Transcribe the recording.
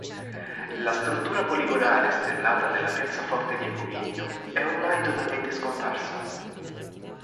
La struttura poligonale stellata della piazzaforte di Poviglio è ormai totalmente scomparsa.